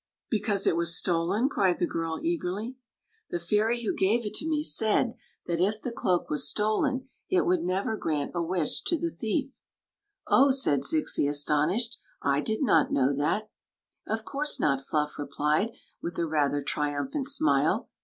" Because it was stolen 1 " cried the girl, eagerly. Story of the Magic Cloak "The fairy who gave it to me said that if the cloak was stolen it would never grant a wish to the thief" " Oh," said Zixi, astonished, " I did not know that" "Of course not, Fluff replied, with a rather tri umphant smile.